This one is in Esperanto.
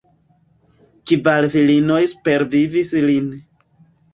Kvar filinoj supervivis lin.